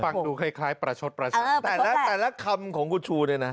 ฟังดูคล้ายประชดแต่ละคำของคุณชูด้วยนะ